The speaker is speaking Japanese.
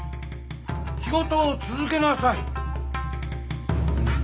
仕事を続けなさい。